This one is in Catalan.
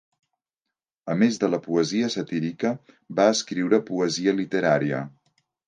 A més de la poesia satírica va escriure poesia literària.